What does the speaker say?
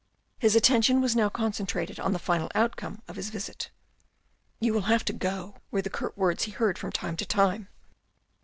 His attention was now concentrated on the final outcome of of his visit. " You will have to go," were the curt words he heard from time to time.